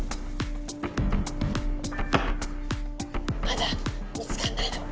「まだ見つからないの」